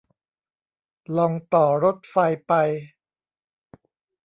ลองต่อรถไฟไป